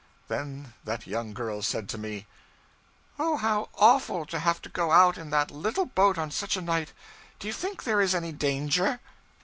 Then that young girl said to me 'Oh, how awful to have to go out in that little boat on such a night! Do you think there is any danger?'